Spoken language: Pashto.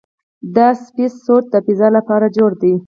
دا سپېس سوټ د فضاء لپاره جوړ دی.